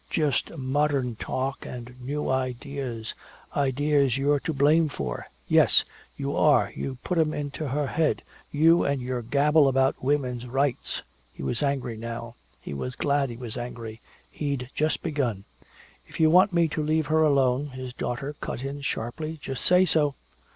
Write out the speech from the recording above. "Just modern talk and new ideas ideas you're to blame for! Yes, you are you put 'em in her head you and your gabble about woman's rights!" He was angry now. He was glad he was angry. He'd just begun! "If you want me to leave her alone," his daughter cut in sharply, "just say so!